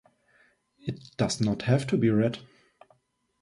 It does not have to be red.